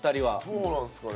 どうなんですかね？